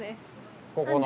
ここの。